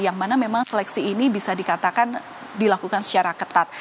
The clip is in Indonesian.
yang mana memang seleksi ini bisa dikatakan dilakukan secara ketat